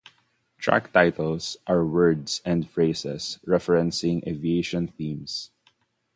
The track titles are words and phrases referencing aviation themes.